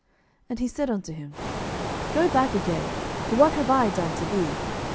And he said unto him, Go back again: for what have I done to thee?